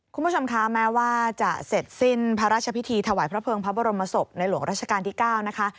คุณผู้ชมคะแม้ว่าจะเสร็จสิ้นพระราชพิธีถวายพระเภิงพระบรมศพในหลวงราชการที่๙นะคะ